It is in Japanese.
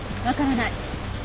わからない。